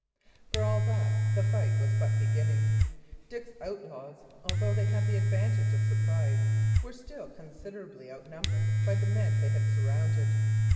For all that, the fight was but beginning. Dick's outlaws, although they had the advantage of the surprise, were still considerably outnumbered by the men they had surrounded.